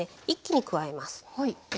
一気に加えます。